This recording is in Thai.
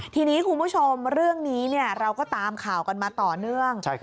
ทีนี้คุณผู้ชมเรื่องนี้เราก็ตามข่าวกันมาต่อเนื่อง